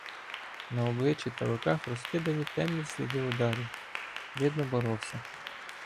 На обличчі та руках розкидані темні сліди ударів — видно, боровся.